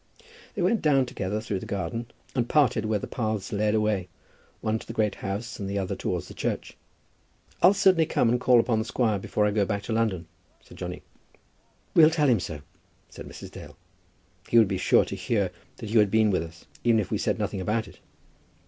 They went down together through the garden, and parted where the paths led away, one to the great house and the other towards the church. "I'll certainly come and call upon the squire before I go back to London," said Johnny. "We'll tell him so," said Mrs. Dale. "He would be sure to hear that you had been with us, even if we said nothing about it."